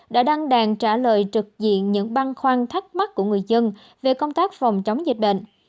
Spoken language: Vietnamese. đã đăng đàn trả lời trực diện những băn khoăn thắc mắc của người dân về công tác phòng chống dịch bệnh